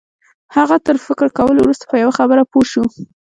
هغه تر فکر کولو وروسته په یوه خبره پوه شو